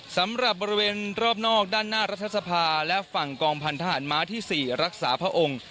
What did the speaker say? สำหรับบริเวณรอบนอกด้านหน้ารัฐสภาและฝั่งกองพันธหารม้าที่๔รักษาพระองค์